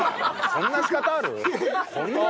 こんな仕方あるの？